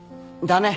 駄目。